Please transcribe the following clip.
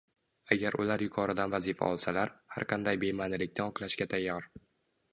Agar ular yuqoridan vazifa olsalar, har qanday bema'nilikni oqlashga tayyor